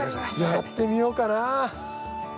やってみようかな。